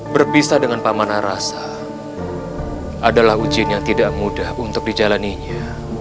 berpisah dengan pak manarasa adalah ujin yang tidak mudah untuk dijalannya